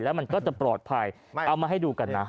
แล้วมันก็จะปลอดภัยเอามาให้ดูกันนะ